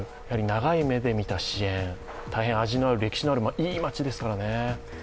長い目で見た支援、大変歴史のあるいい街ですからね。